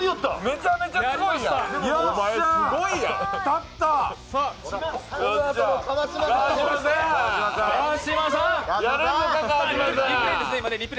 めちゃめちゃすごいやん。